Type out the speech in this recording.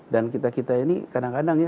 dan kita kita ini kadang kadang ya